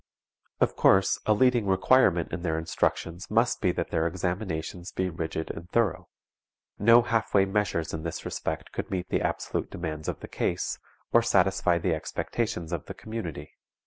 Of course a leading requirement in their instructions must be that their examinations be rigid and thorough. No half way measures in this respect could meet the absolute demands of the case, or satisfy the expectations of the community.